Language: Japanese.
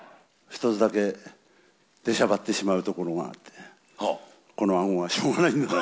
一つだけ出しゃばってしまうところがあって、このあごがしょうがないんだけど。